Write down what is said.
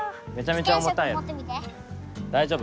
大丈夫？